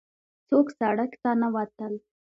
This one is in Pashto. څوک سړک ته نه وتل.